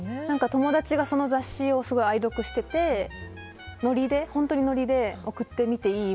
友達がその雑誌をすごい愛読していて本当にノリで送ってみていい？